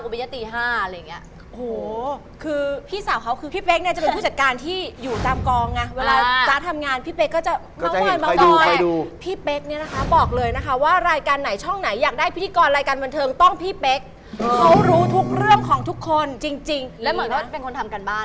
พี่เจ้าจริงเหรอเฮ้ยแล้วไงต่อ